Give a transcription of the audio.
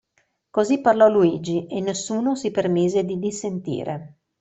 Così parlò Luigi, e nessuno si permise di dissentire.